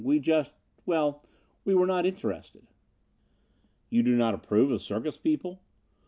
We just well, we were not interested." "You do not approve of circus people?"